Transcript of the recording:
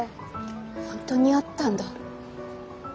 本当にあったんだ。